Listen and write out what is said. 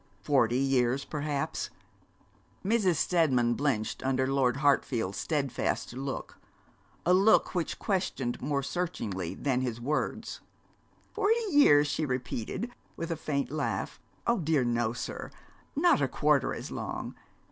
'Forty years, perhaps?' Mrs. Steadman blenched under Lord Hartfield's steadfast look a look which questioned more searchingly than his words. 'Forty years,' she repeated, with a faint laugh. 'Oh, dear no, sir, not a quarter as long.